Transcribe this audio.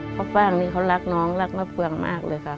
ฟ่างนี่เขารักน้องรักมะเฟืองมากเลยค่ะ